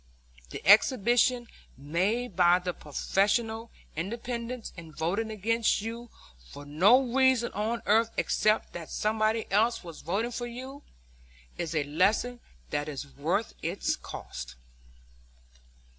The exhibition made by the professional independents in voting against you for no reason on earth except that somebody else was voting for you, is a lesson that is worth its cost."